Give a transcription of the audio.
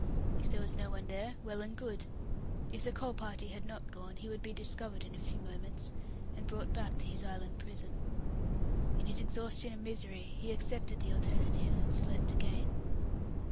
If there was no one there well and good. If the coal party had not gone, he would be discovered in a few moments, and brought back to his island prison. In his exhaustion and misery, he accepted the alternative and slept again.